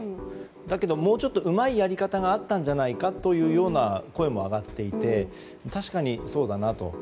だけど、もうちょっとうまいやり方があったんじゃないかというような声も上がっていて確かにそうだなと。